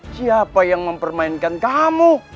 siapa yang mempermainkan kamu